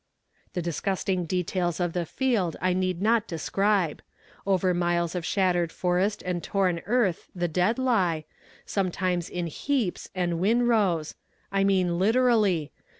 "The disgusting details of the field I need not describe. Over miles of shattered forest and torn earth the dead lie, sometimes in heaps and winrows I mean literally!